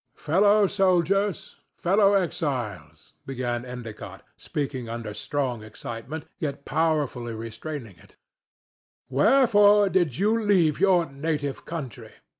"Fellow soldiers, fellow exiles," began Endicott, speaking under strong excitement, yet powerfully restraining it, "wherefore did ye leave your native country?